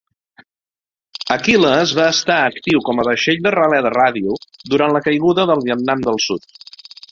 "Achilles" va estar actiu com a vaixell de relé de ràdio durant la caiguda del Vietnam del Sud.